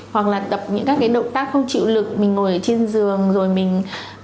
hoặc là tập những các cái động tác không chịu lực mình ngồi ở trên giường rồi mình